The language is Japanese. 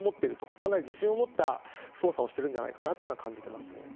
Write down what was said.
かなり自信を持った捜査をしているんじゃないかというのは感じていますね。